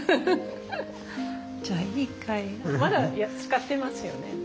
じゃあ一回まだ使ってますよね？